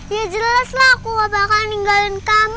ya jelas lah aku gak bakalan ninggalin kamu